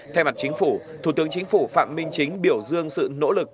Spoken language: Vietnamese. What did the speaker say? thay mặt chính phủ thủ tướng chính phủ phạm minh chính biểu dương sự nỗ lực